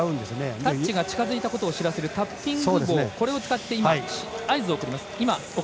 タッチが近づいたことを知らせるタッピング棒を使って合図を送りました。